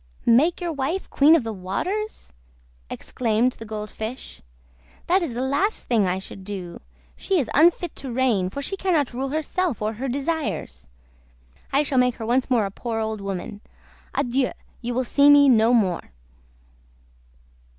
"Make your wife the Queen of the Waters?" exclaimed the Gold Fish. "That is the last thing I should do. She is unfit to reign, for she cannot rule herself or her desires. I shall make her once more a poor old woman. Adieu! You will see me no more."